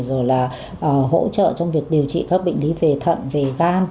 rồi là hỗ trợ trong việc điều trị các bệnh lý về thận về gan